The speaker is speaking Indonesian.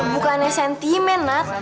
bukannya sentimen nat